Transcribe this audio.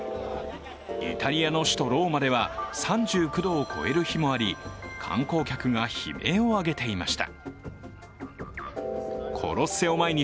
イタリアの首都ローマでは３９度を超える日もあり観光客が悲鳴を上げていました。